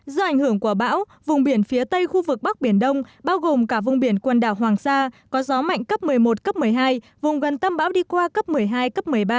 do ảnh hưởng của bão vùng biển phía tây khu vực bắc biển đông bao gồm cả vùng biển quần đảo hoàng sa có gió mạnh cấp một mươi một cấp một mươi hai vùng gần tâm bão đi qua cấp một mươi hai cấp một mươi ba